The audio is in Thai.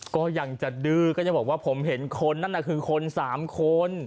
ก็อย่างจะดื้อก็จะบอกว่าผมเห็นคนนั่นก็คือคนสามคน